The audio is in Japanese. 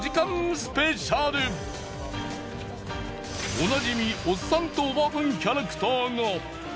おなじみおっさんとおばはんキャラクターが。